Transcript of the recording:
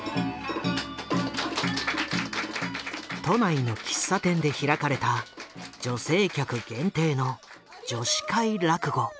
都内の喫茶店で開かれた女性客限定の「女子会落語」。